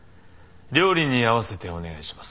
料理に合わせてお願いします。